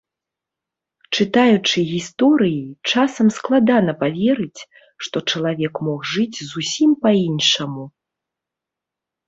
Чытаючы гісторыі, часам складана паверыць, што чалавек мог жыць зусім па-іншаму.